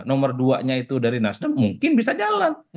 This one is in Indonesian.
nomor duanya itu dari nasdem mungkin bisa jalan